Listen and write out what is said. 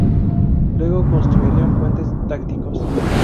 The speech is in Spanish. Luego, construirían puentes tácticos.